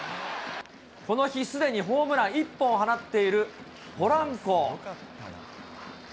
この日すでにホームラン１本を放っているポランコ。